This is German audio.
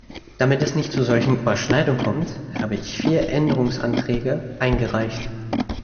Damit es nicht zu solchen Überschneidungen kommt, habe ich vier Änderungsanträge eingereicht.